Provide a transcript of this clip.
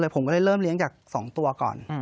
ผมก็ได้เริ่มเลี้ยงจาก๒ตัวก่อน